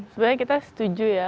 sebenarnya kita setuju ya